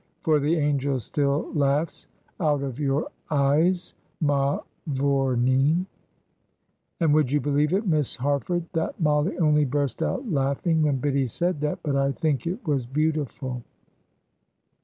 For the angel still laughs out of your eyes, mavourneen.' And would you believe it, Miss Harford, that Mollie only burst out laughing when Biddy said that, but I think it was beautiful."